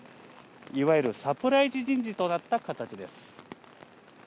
いわゆるサプライズ人事となった形です。